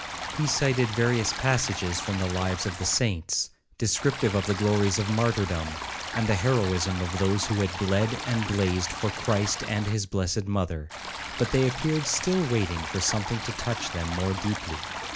—He cited various passages from the lives of the saints, descriptive of the glories of martyrdom, and the heroism of those who had bled and blazed for Christ and his blessed mother, but they appeared still waiting for something to touch them more deeply.